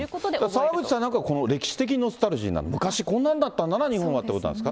澤口さんなんかはこの歴史的ノスタルジー。昔、こんなんだったな、日本はということなんですか。